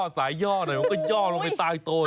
สายย่อหน่อยมันก็ย่อลงไปใต้โต